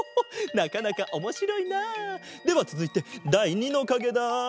なかなかおもしろいな。ではつづいてだい２のかげだ。